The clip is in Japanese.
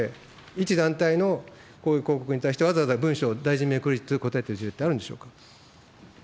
一団体のこういう広告に対して、わざわざ文書を、大臣名クレジットで答えてる事例ってあるんでしょうか。